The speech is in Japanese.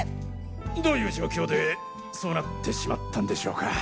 どういう状況でそうなってしまったんでしょうか？